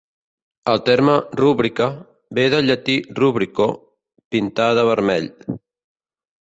El terme "rúbrica" ve del llatí "rubrico", "pintar de vermell".